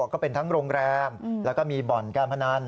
ก็เป็นทั้งโรงแรมแล้วก็มีบ่อนการพนัน